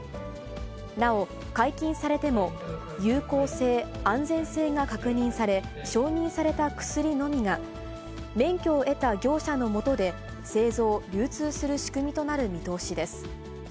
なお、解禁されても、有効性、安全性が確認され、承認された薬のみが、免許を得た業者のもとで、製造・流通する仕組みとなる見通しです。